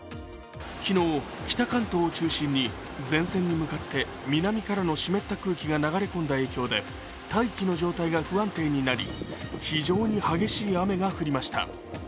昨日、北関東を中心に、前線に向かって南からの湿った空気が流れ込んだ影響で大気の状態が不安定になり非常に激しい雨が降りました。